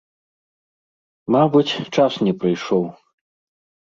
Мабыць, час не прыйшоў.